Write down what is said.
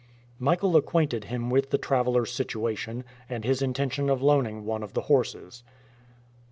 Michael acquainted him with the travelers' situation, and his intention of loaning one of the horses.